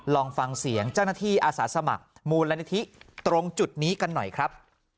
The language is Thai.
ลองฟังเสียงเจ้าหน้าที่อาสาสมัครมูลนิธิตรงจุดนี้กันหน่อยครับ